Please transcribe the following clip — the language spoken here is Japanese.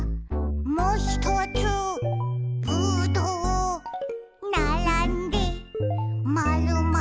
「もひとつぶどう」「ならんでまるまる」